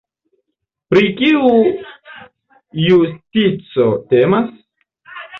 Pri kiu justico temas?